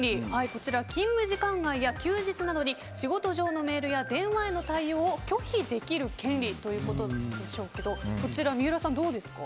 こちら、勤務時間外や休日などに仕事上のメールや電話への対応を拒否できる権利ということですがこちら、三浦さん、どうですか？